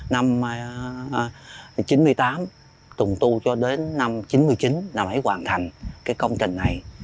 năm chín mươi tám tùng tu cho đến năm chín mươi chín là mới hoàn thành công trình này